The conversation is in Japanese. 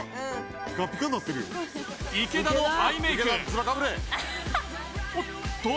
池田のアイメイクおっと